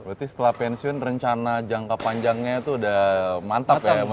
berarti setelah pensiun rencana jangka panjangnya tuh udah mati